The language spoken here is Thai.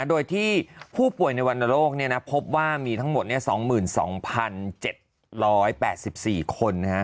โดยที่ผู้ป่วยในวรรณโรคพบว่ามีทั้งหมด๒๒๗๘๔คน